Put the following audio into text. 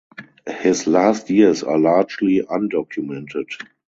His last years are largely undocumented.